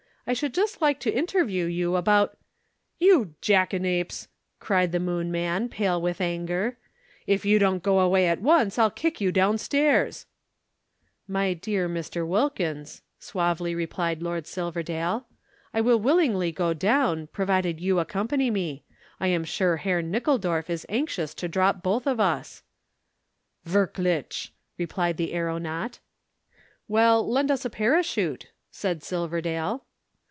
"I should just like to interview you about " "You jackanapes!" cried the Moon man, pale with anger, "If you don't go away at once, I'll kick you down stairs." [Illustration: Go away, or I'll kick you Down Stairs.] "My dear Mr. Wilkins," suavely replied Lord Silverdale, "I will willingly go down, provided you accompany me. I am sure Herr Nickeldorf is anxious to drop both of us." "Wirklich," replied the aeronaut "Well, lend us a parachute," said Silverdale.